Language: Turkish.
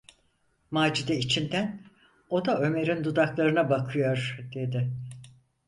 Macide içinden: "O da Ömer’in dudaklarına bakıyor!" dedi.